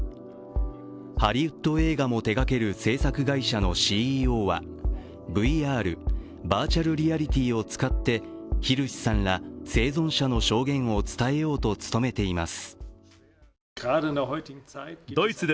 ハリウッド映画も手がける制作会社のＣＥＯはＶＲ＝バーチャル・リアリティーを使ってヒルシさんら生存者の証言を伝えようと努めています。